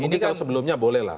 mungkin kalau sebelumnya bolehlah